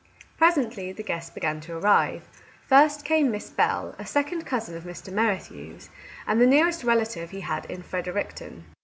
Presently the guests began to arrive. First came Miss Bell, a second cousin of Mr. Mer rithew's, and the nearest relative he had in Fredericton.